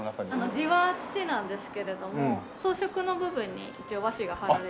地は土なんですけれども装飾の部分に一応和紙が貼られて。